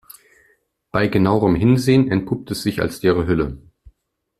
Bei genauerem Hinsehen entpuppt es sich als leere Hülle.